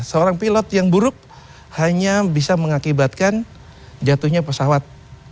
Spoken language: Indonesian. seorang pilot yang buruk hanya bisa mengakibatkan jatuhnya pesawat